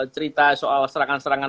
cerita soal serangan serangan